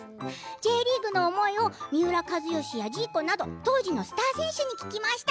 Ｊリーグへの思いを三浦知良やジーコなど当時のスター選手に聞きました。